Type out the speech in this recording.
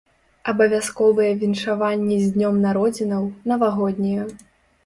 Абавязковыя віншаванні з днём народзінаў, навагоднія.